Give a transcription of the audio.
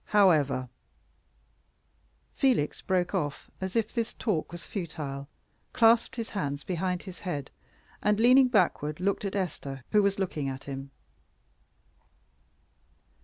However " Felix broke off, as if this talk was futile, clasped his hands behind his head, and, leaning backward, looked at Esther, who was looking at him.